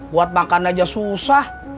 buat makan aja susah